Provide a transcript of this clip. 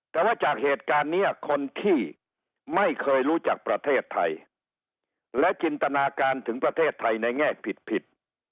แต่ว่าจากเหตุการณ์นี้คนที่ไม่เคยรู้จักประเทศไทยและจินตนาการถึงประเทศไทยในแง่ผิด